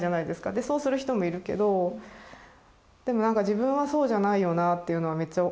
でそうする人もいるけどでもなんか自分はそうじゃないよなっていうのはめっちゃ。